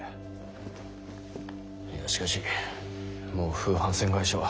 いやしかしもう風帆船会社は。